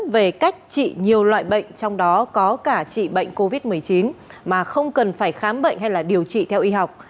về cách trị nhiều loại bệnh trong đó có cả trị bệnh covid một mươi chín mà không cần phải khám bệnh hay điều trị theo y học